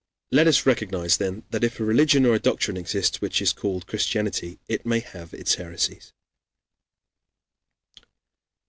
Let us recognize, then, that if a religion or a doctrine exists which is called Christianity, it may have its heresies."